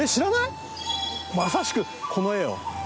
まさしくこの画よ。